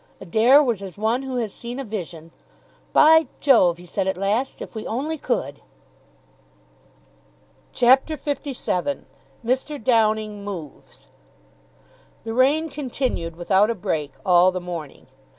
Adair was as one who has seen a vision. "By Jove," he said at last, "if we only could!" CHAPTER LVII MR. DOWNING MOVES The rain continued without a break all the morning.